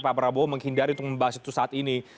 pak prabowo menghindari untuk membahas itu saat ini